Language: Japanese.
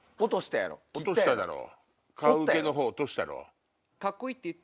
落としたやろ？